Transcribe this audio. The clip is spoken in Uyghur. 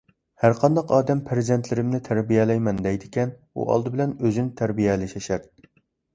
ھەرقانداق ئادەم پەرزەنتلىرىمنى تەربىيەلەيمەن دەيدىكەن، ئۇ ئالدى بىلەن ئۆزىنى تەربىيەلىشى شەرت.